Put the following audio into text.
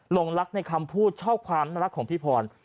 ลงรักในคำพูดชอบความน่ารักของพี่พร